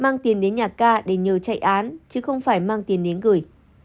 mang tiền đến nhà ca để nhờ chạy án chứ không phải mang tiền điếng gửi